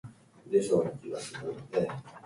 私はペットを飼っています。